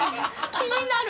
気になる。